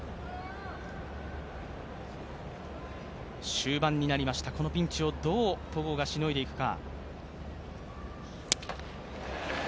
終盤になりました、このピンチをどう戸郷がしのいでいくか。